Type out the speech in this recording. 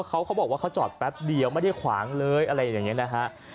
เขาบอกว่าเขาจอดแป๊บเดียวไม่ได้ขวางเลยอะไรอย่างนี้นะฮะ